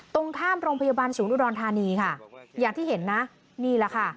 ตรงข้ามโรงพยาบาลศูนย์อุดรธานีค่ะอย่างที่เห็นนะนี่แหละค่ะ